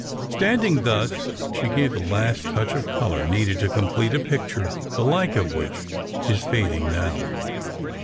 Standing thus, she gave the last touch of color needed to complete a picture the like of which is fading now.